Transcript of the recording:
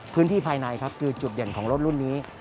ภายในครับคือจุดเด่นของรถรุ่นนี้